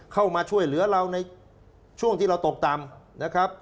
เข้ามาช่วยเหลือเราในช่วงที่เราตกต่ำนะครับ